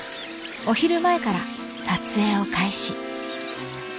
お昼前から撮影を開始。